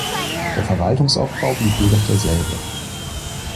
Der Verwaltungsaufbau blieb jedoch derselbe.